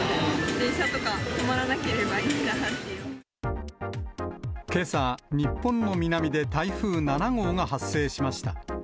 電車と止まらなければいいなけさ、日本の南で台風７号が発生しました。